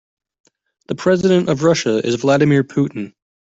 The president of Russia is Vladimir Putin.